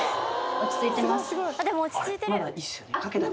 落ち着いてます。